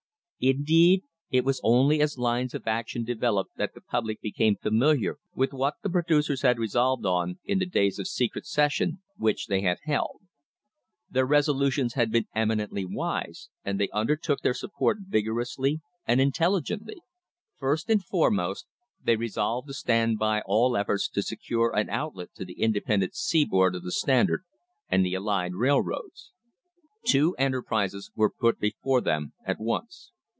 Indeed, it was only as lines of action developed that the public became familiar with what the producers had Iesolved on in the days of secret session which they had held. Their resolutions had been eminently wise and they under 00k their support vigorously and intelligently. First and THE HISTORY OF THE STANDARD OIL COMPANY foremost they resolved to stand by all efforts to secure an out let to the seaboard independent of the Standard and the allied railroads. Two enterprises were put before them at once.